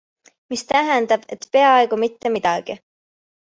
Mis tähendab, et peaaegu mitte midagi.